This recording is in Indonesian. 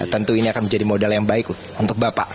tentu ini akan menjadi modal yang baik untuk bapak